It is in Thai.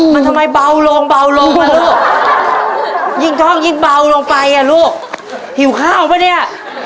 มันทำไมเบาลงเบาลงป่ะลูกยิ่งท่องยิ่งเบาลงไปอ่ะลูกหิวข้าวป่ะเนี่ย